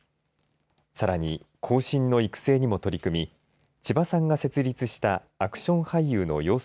さらに後進の育成にも取り組み千葉さんが設立したアクション俳優の養成